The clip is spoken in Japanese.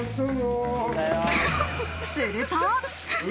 すると。